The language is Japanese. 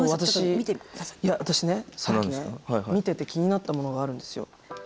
見てて気になったものがあるんですよ。